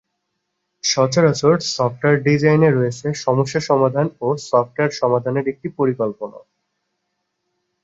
সচরাচর সফটওয়্যার ডিজাইনে রয়েছে সমস্যা সমাধান ও সফটওয়্যার সমাধানের একটি পরিকল্পনা।